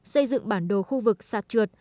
xây dựng bản đồ khu vực sạt trượt